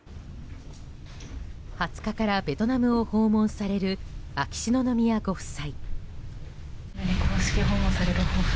２０日からベトナムを訪問される、秋篠宮ご夫妻。